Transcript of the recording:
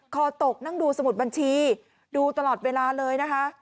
คอตกนั่งดูสมุดบัญชีดูตลอดเวลาเลยนะคะ